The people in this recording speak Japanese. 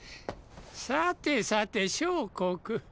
さてさて相国。